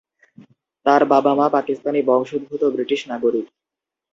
তাঁর বাবা-মা পাকিস্তানি বংশোদ্ভূত ব্রিটিশ নাগরিক।